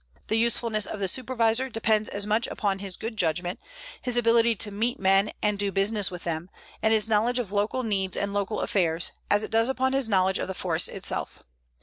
The usefulness of the Supervisor depends as much upon his good judgment, his ability to meet men and do business with them, and his knowledge of local needs and local affairs, as it does upon his knowledge of the forest itself.